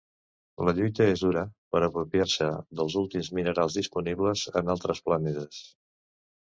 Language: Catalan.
La lluita és dura per apropiar-se dels últims minerals disponibles en altres planetes.